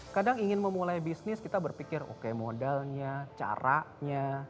kadang ingin memulai bisnis kita berpikir oke modalnya caranya